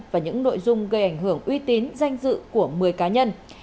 và những nội dung gây ảnh hưởng uy tín danh dự của một mươi cá nhân